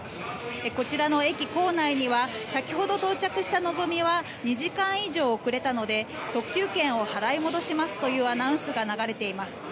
こちらの駅構内には先ほど到着したのぞみは２時間以上遅れたので特急券を払い戻しますというアナウンスが流れています。